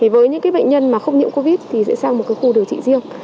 với những bệnh nhân mà không nhiễm covid thì sẽ sang một khu điều trị riêng